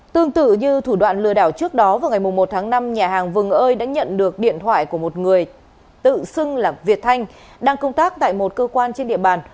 tương tự như thủ đoạn lừa đảo trước đó vào ngày một tháng năm nhà hàng vừng ơi đã nhận được điện thoại của một người tự xưng là việt thanh đang công tác tại một cơ quan trên địa bàn